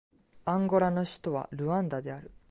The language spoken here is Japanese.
アンゴラの首都はルアンダである